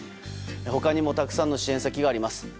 他にもたくさんの支援先があります。